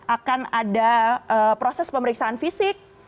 akan ada proses pemeriksaan fisik